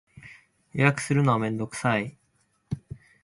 予約するのはめんどくさい